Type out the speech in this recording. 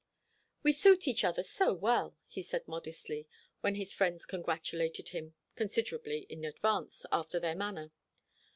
"We suit each other so well," he said modestly, when his friends congratulated him, considerably in advance, after their manner.